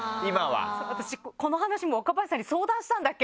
この話、若林さんにもう相談したんだっけ？